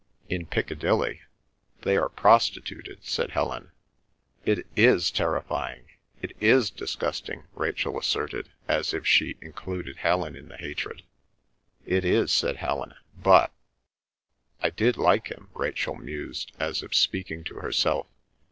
"In Picadilly? They are prostituted," said Helen. "It is terrifying—it is disgusting," Rachel asserted, as if she included Helen in the hatred. "It is," said Helen. "But—" "I did like him," Rachel mused, as if speaking to herself.